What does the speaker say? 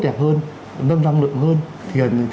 đẹp hơn nâng năng lượng hơn thiện